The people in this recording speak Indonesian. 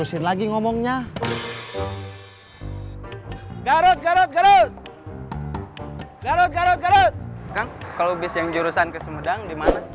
kang kalau bis yang jurusan kesemudang dimana